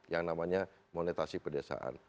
yang namanya monetasi pedesaan